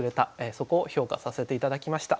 そこを評価させて頂きました。